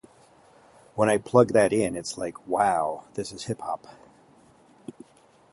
When I plug that in, it's like, 'Wow, this is hip hop.